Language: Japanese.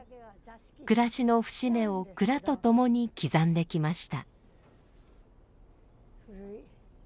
暮らしの節目を蔵とともに刻んできました。